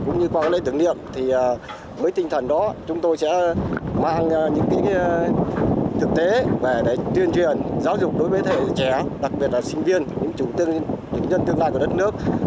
như qua lễ tưởng niệm với tinh thần đó chúng tôi sẽ mang những thực tế về để tuyên truyền giáo dục đối với thế hệ trẻ đặc biệt là sinh viên những chủ tương nhân tương lai của đất nước